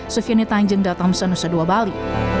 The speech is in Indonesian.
sufini tanjung datang senusa dua bali